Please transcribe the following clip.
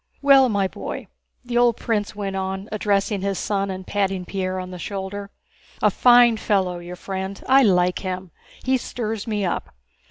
Well, my boy," the old prince went on, addressing his son and patting Pierre on the shoulder. "A fine fellow—your friend—I like him! He stirs me up.